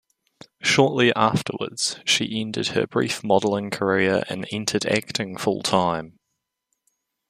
Shortly afterwards, she ended her brief modeling career and entered acting full-time.